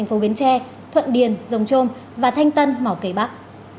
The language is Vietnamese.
công đoàn công an tỉnh bến tre thuận điền rồng trôm và thanh tân mỏ cây bắc